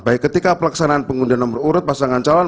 baik ketika pelaksanaan pengundian nomor urut pasangan calon